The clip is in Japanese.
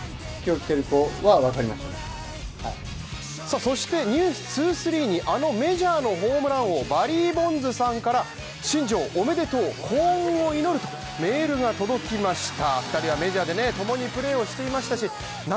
そして「ｎｅｗｓ２３」にあのメジャーのホームラン王バリー・ボンズさんから新庄おめでとう幸運を祈るメールが届きました